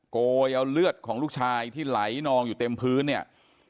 โกยเอาเลือดของลูกชายที่ไหลนองอยู่เต็มพื้นเนี่ย